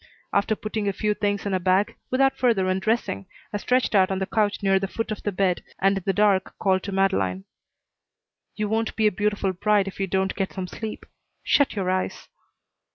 After putting a few things in a bag, without further undressing, I stretched out on the couch near the foot of the bed and in the dark called to Madeleine. "You won't be a beautiful bride if you don't get some sleep. Shut your eyes."